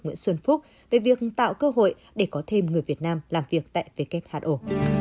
nguyễn xuân phúc về việc tạo cơ hội để có thêm người việt nam làm việc tại who